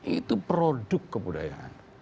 itu produk kebudayaan